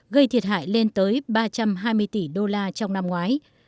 gây thiệt hại lên tới ba trăm hai mươi tỷ đô la trong năm ngoái